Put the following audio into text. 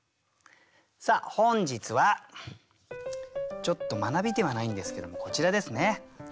さあ本日はちょっと学びではないんですけどもこちらですね。